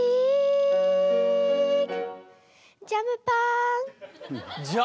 ジャムパン！